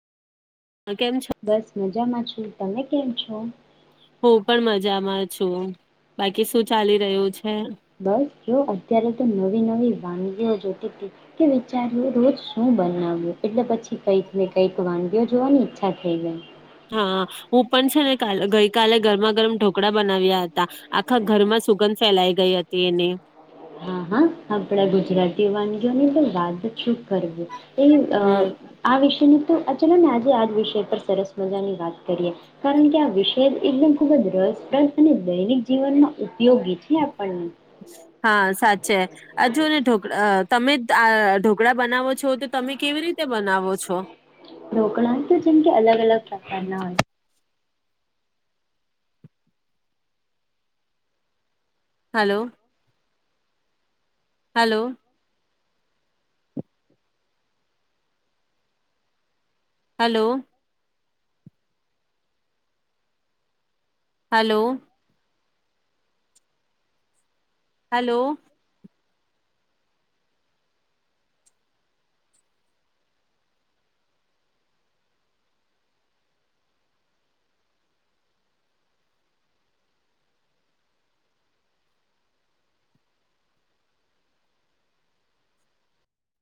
કેમ છો? બસ મજામાં છું. તમે? કેમ છો? હું પણ મજામાં છું. બાકી શું ચાલી રહ્યું છે? બસ જો અત્યારે તો નવી નવી વાનગીઓ જોતી કે વિચાર્યું રોજ શું બનાવ્યું એટલે પછી કઈક ને કઈક વાનગીઓ જોવાની ઈચ્છા થઈ ગઈ. હા હું પણ છે ને ગ ગઈ કલે ગરમા ગરમ ઢોકળા બનાવ્યા હતા. આખા ઘરમાં સુગંધ ફેલાઈ ગઈ હતી એની. જની તો બાદનું છે. કરવું એ હમ્મ આ વિશેનું તો આ ચલોને આજે આ વિષય પર સરસ મજાની વાત કરીએ કારણ કે આ વિષય એકદમ ખૂબ જ રસપ્રદ અને દૈનિક જીવનમાં ઉપયોગી છે આપણને. હા સાચે આ જો ને ઢોકળા તમે આ ઢોકળા બનાવો છો તો તમે કેવી રીતે બનાવો છો. ઢોકડા તો જેમ કે અલગ અલગ પ્રકારના હોય. Hello hello hello hello hello